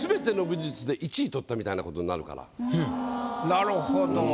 なるほど。